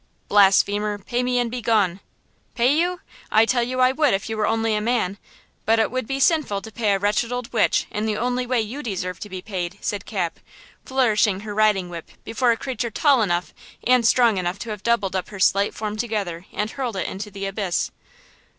"Blasphemer, pay me and begone!" "Pay you? I tell you I would if you were only a man; but it would be sinful to pay a wretched old witch in the only way you deserve to be paid!" said Cap, flourishing her riding whip before a creature tall enough and strong enough to have doubled up her slight form together and hurled it into the abyss.